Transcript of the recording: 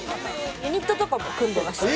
ユニットとかも組んでました。